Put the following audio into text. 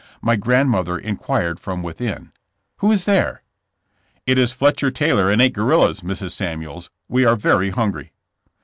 My grandmother inquired from within: *'Who is there?" It is Fletcher Taylor and eight guerrillas, Mrs. Samuels; we are very hungry."